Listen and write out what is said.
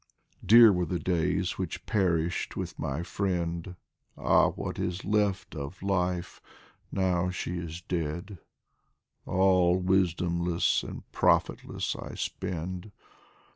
94 DIVAN OF HAFIZ Dear were the days which perished with my friend Ah, what is left of life, now she is dead. All wisdomless and profitless I spend